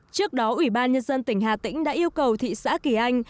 trước đó ủy ban nhân dân tỉnh hà tĩnh đã yêu cầu thị xã kỳ anh